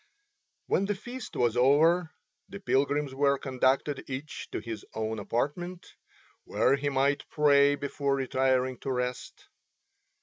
When the feast was over the pilgrims were conducted each to his own apartment, where he might pray before retiring to rest.